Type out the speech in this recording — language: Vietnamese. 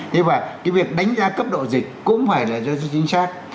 thế và cái việc đánh giá cấp độ dịch cũng phải là cho chính xác